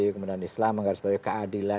kemudian islam menggariskan keadilan